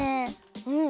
うん！